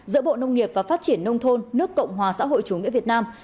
giữa bộ nông nghiệp và phát triển nông thôn nước cộng hòa xã hội chủ nghĩa việt nam